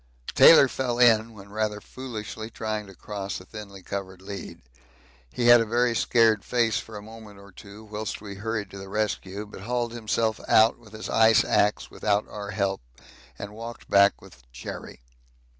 Taylor fell in when rather foolishly trying to cross a thinly covered lead he had a very scared face for a moment or two whilst we hurried to the rescue, but hauled himself out with his ice axe without our help and walked back with Cherry.